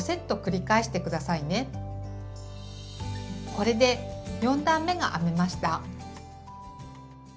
これで４段めが編めました。